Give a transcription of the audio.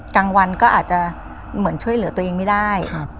กลางวันก็อาจจะเหมือนช่วยเหลือตัวเองไม่ได้